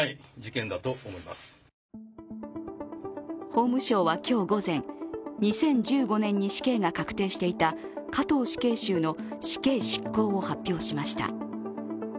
法務省は今日午前２０１５年に死刑が確定していた加藤死刑囚の死刑執行を発表しました。